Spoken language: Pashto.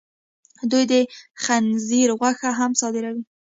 دوی د خنزیر غوښه هم صادروي.